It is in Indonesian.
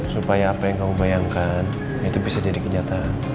supaya apa yang kamu bayangkan itu bisa jadi kenyataan